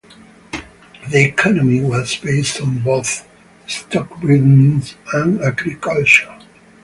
The economy was based on both stockbreeding and agriculture.